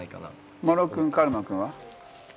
丸尾君、カルマ君は？